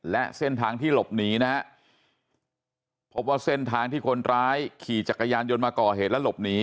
และเส้นทางที่หลบหนีนะฮะพบว่าเส้นทางที่คนร้ายขี่จักรยานยนต์มาก่อเหตุและหลบหนี